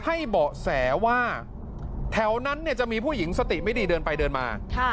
เบาะแสว่าแถวนั้นจะมีผู้หญิงสติไม่ดีเดินไปเดินมา